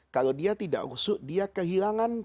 kalau dia tidak husu dia kehilangan